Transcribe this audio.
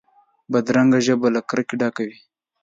بدرنګه ژبه له کرکې ډکه وي